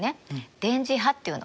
電磁波っていうの。